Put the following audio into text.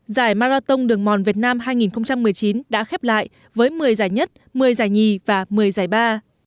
giải marathon đường mòn việt nam hai nghìn một mươi chín đã khép lại với một mươi giải nhất một mươi giải nhì và một mươi giải ba